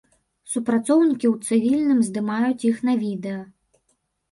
Супрацоўнікі ў цывільным здымаюць іх на відэа.